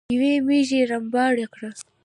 يوې ميږې رمباړه کړه.